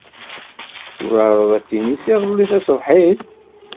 Turared atennis iḍelli taṣebḥit?